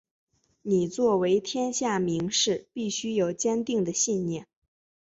你作为天下名士必须有坚定的信念！